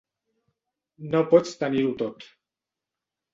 No pots tenir-ho tot.